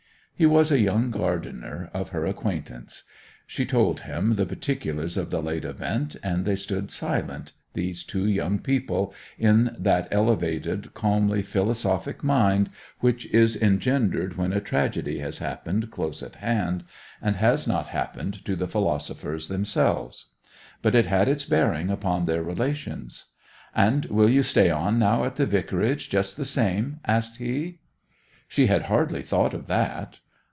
He was a young gardener of her acquaintance. She told him the particulars of the late event, and they stood silent, these two young people, in that elevated, calmly philosophic mind which is engendered when a tragedy has happened close at hand, and has not happened to the philosophers themselves. But it had its bearing upon their relations. 'And will you stay on now at the Vicarage, just the same?' asked he. She had hardly thought of that.